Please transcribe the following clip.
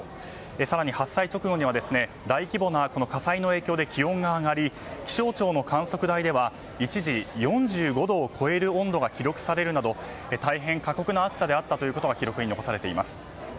更に、発災直後には大規模な火災の影響で気温が上がり気象庁の観測台では一時４５度を超える温度が記録されるなど大変、過酷な暑さということが記録に残されています。